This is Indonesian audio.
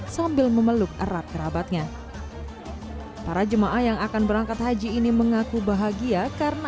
sambil memeluk erat kerabatnya para jemaah yang akan berangkat haji ini mengaku bahagia karena